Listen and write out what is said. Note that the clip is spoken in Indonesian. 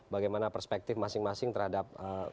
bagaimana perspektif masing masing terhadap